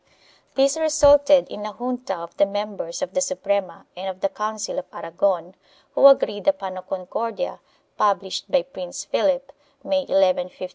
1 This resulted in a junta of the members of the Suprema and of the Council of Aragon, who agreed upon a Concordia, published by Prince Philip, May 11, 1554.